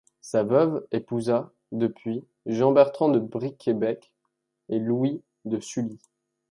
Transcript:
Sa veuve épousa, depuis, Jean Bertrand de Bricquebec et Louis de Sully.